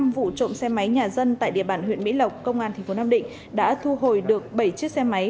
năm vụ trộm xe máy nhà dân tại địa bàn huyện mỹ lộc công an tp nam định đã thu hồi được bảy chiếc xe máy